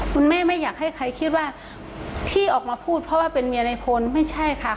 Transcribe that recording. คุณแม่ไม่อยากให้ใครคิดว่าที่ออกมาพูดเพราะว่าเป็นเมียในพลไม่ใช่ค่ะ